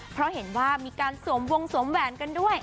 เพราะเห็นว่ามีการสวมวงสวมแหวนกันด้วย